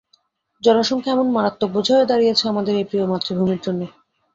জনসংখ্যা এমন মারাত্মক বোঝা হয়ে দাঁড়িয়েছে আমাদের এই প্রিয় মাতৃভূমির জন্য।